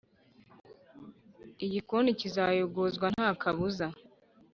Igikoni kizayogozwa nta kabuza